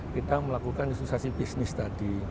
kita melakukan institusi bisnis tadi